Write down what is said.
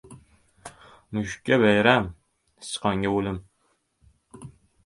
• Mushukka ― bayram, sichqonga ― o‘lim.